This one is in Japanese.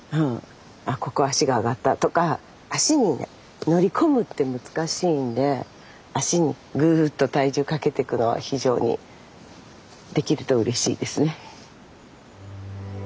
あここ足が上がったとか足に乗り込むって難しいんで足にぐっと体重かけてくのは非常にできるとうれしいですね。